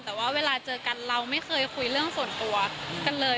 แต่ว่าเวลาเจอกันเราไม่เคยคุยเรื่องส่วนตัวกันเลย